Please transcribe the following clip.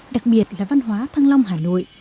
đặc biệt là văn hóa thăng long hà nội